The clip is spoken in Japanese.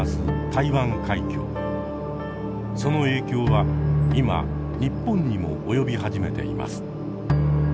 その影響は今日本にも及び始めています。